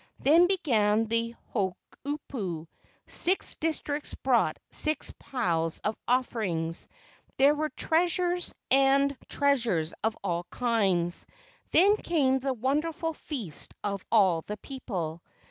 Then began the hookupu. Six districts brought six piles of offerings. There were treasures and LEGENDS OF GHOSTS 190 treasures of all kinds. Then came the wonder¬ ful feast of all the people.